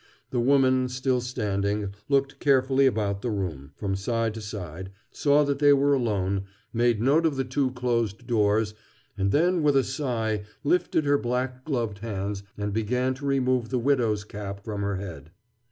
The woman, still standing, looked carefully about the room, from side to side, saw that they were alone, made note of the two closed doors, and then with a sigh lifted her black gloved hands and began to remove the widow's cap from her head.